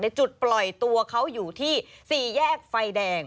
จุดปล่อยตัวเขาอยู่ที่๔แยกไฟแดง